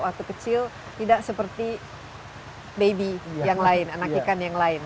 waktu kecil tidak seperti baby yang lain anak ikan yang lain